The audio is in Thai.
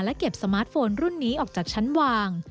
เก็บสมาร์ทโฟนรุ่นนี้ออกจากชั้นวาง